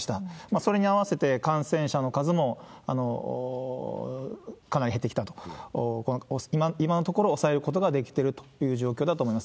それに合わせて、感染者の数もかなり減ってきたと、今のところ抑えることができてるという状況だと思います。